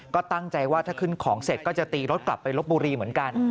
ก็ตั้งใจว่าถ้าขึ้นของเสร็จก็จะตีรถกลับไปลบบุรีเหมือนกัน